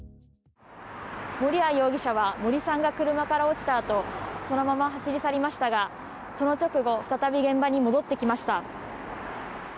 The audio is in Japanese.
森谷容疑者は森さんが車から落ちたあとそのまま走り去りましたがその直後再び現場に戻ってきました。